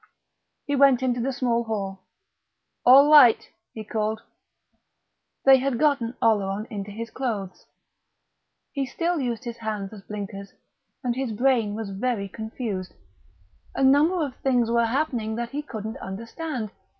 He went into the small hall. "All right!" he called. They had got Oleron into his clothes. He still used his hands as blinkers, and his brain was very confused. A number of things were happening that he couldn't understand.